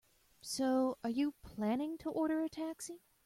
So, are you planning to order a taxi?